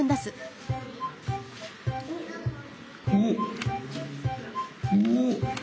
おっおおっ！